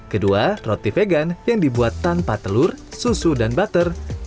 kedua roti vegan yang dibuat tanpa telur susu dan butter